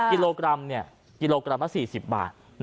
กิโลกรัมเนี่ย๔๐บาท